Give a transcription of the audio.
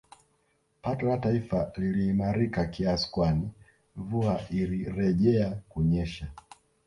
Pato la taifa liliimarika kiasi kwani mvua ilirejea kunyesha